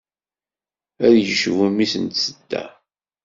Ad yecbu mmi-s n tsedda.